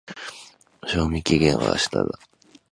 賞味期限は明日だ。